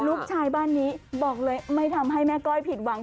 ลูกชายบ้านนี้บอกเลยไม่ทำให้แม่ก้อยผิดหวัง